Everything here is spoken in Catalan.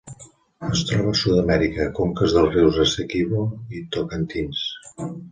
Es troba a Sud-amèrica: conques dels rius Essequibo i Tocantins.